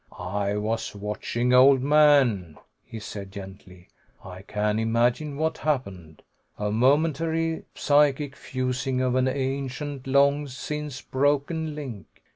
"I was watching, old man," he said gently. "I can imagine what happened. A momentary, psychic fusing of an ancient, long since broken link.